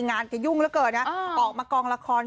งานอยู่ยุ่งแล้วเกิดออกมากองละคร